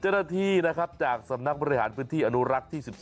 เจ้าหน้าที่นะครับจากสำนักบริหารพื้นที่อนุรักษ์ที่๑๒